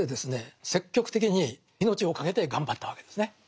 積極的に命をかけて頑張ったわけですね。